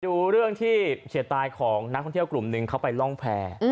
ดูเรื่องที่เฉียดตายของนักท่องเที่ยวกลุ่มหนึ่งเขาไปร่องแพร่